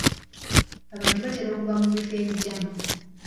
Abantu batera okuva mu bifo ebigyama.